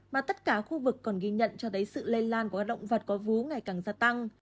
mà tất cả khu vực còn ghi nhận cho thấy sự lây lan của các động vật có vú ngày càng gia tăng